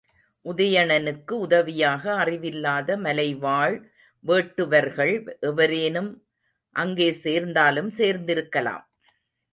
உதயணனுக்கு உதவியாக, அறிவில்லாத மலைவாழ் வேட்டுவர்கள் எவரேனும் அங்கே சேர்ந்தாலும் சேர்ந்திருக்கலாம்.